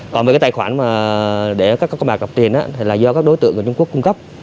còn về tài khoản để các con bạc gặp tiền do các đối tượng của trung quốc cung cấp